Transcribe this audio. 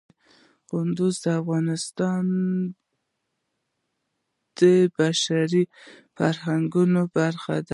کندهار د افغانستان د بشري فرهنګ برخه ده.